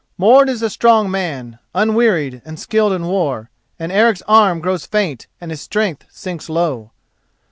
Mord is a strong man, unwearied, and skilled in war, and Eric's arms grow faint and his strength sinks low.